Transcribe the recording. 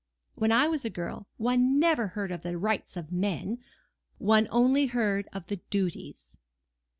When I was a girl, one never heard of the rights of men, one only heard of the duties.